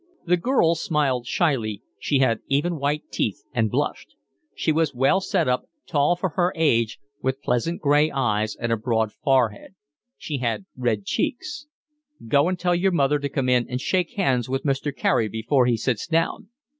The girl smiled shyly, she had even, white teeth, and blushed. She was well set up, tall for her age, with pleasant gray eyes and a broad forehead. She had red cheeks. "Go and tell your mother to come in and shake hands with Mr. Carey before he sits down."